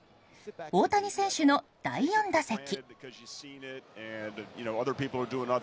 大谷選手の第４打席。